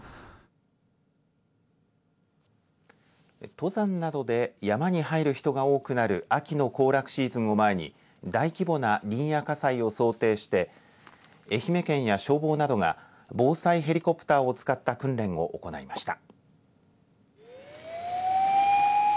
登山などで山に入る人が多くなる秋の行楽シーズンを前に大規模な林野火災を想定して愛媛県や消防などが防災ヘリコプターを使った訓練を行いました。